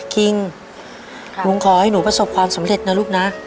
คิงลุงขอให้หนูประสบความสำเร็จนะลูกนะ